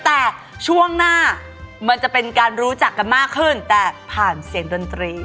แต่ช่วงหน้ามันจะเป็นการรู้จักกันมากขึ้นแต่ผ่านเสียงดนตรี